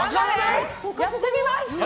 やってみます。